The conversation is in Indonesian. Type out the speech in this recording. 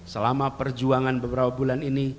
selama perjuangan beberapa bulan ini